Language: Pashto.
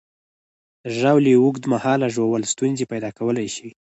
د ژاولې اوږد مهاله ژوول ستونزې پیدا کولی شي.